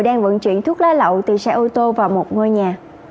đang vận chuyển thuốc lá lậu từ xe ô tô vào một ngôi nhà